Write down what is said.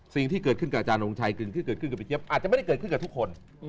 สิ่งที่เกิดขึ้นกับอาจารย์ทงชัยที่เกิดขึ้นกับพี่เจี๊ยบอาจจะไม่ได้เกิดขึ้นกับทุกคน